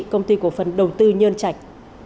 công ty cổ phần đầu tư nhơn trạch